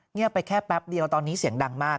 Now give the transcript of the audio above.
เงียบไปแค่แป๊บเดียวตอนนี้เสียงดังมาก